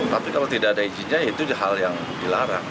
tapi kalau tidak ada izinnya itu hal yang dilarang